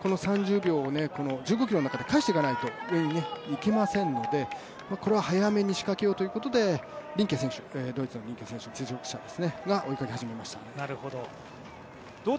やはり残り１５ｋｍというふうに考えたときに、この３０秒を１５ｋｍの中で返していかないといけませんのでこれは早めに仕掛けようということで、ドイツのリンケ選手が追いかけ始めましたね。